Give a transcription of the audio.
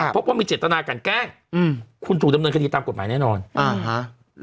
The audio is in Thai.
พบว่ามีเจตนากันแกล้งอืมคุณถูกดำเนินคดีตามกฎหมายแน่นอนอ่าฮะ